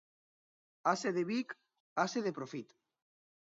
Ase de Vic, ase de profit.